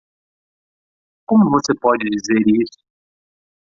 Como você pode dizer isso?